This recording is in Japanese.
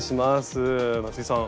松井さん